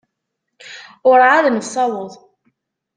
Ur εad nessaweḍ.